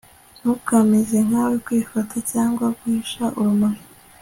ntukameze nkawe kwifata cyangwa guhisha urumuri